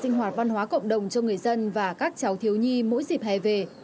có nhà văn hóa cộng đồng ở đây bây giờ các anh chị biết rằng là